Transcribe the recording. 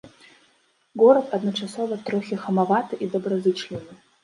Горад адначасова трохі хамаваты і добразычлівы.